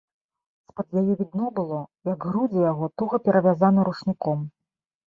З-пад яе відно было, як грудзі яго туга перавязаны ручніком.